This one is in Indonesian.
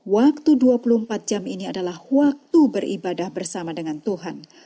waktu dua puluh empat jam ini adalah waktu beribadah bersama dengan tuhan